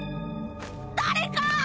誰か！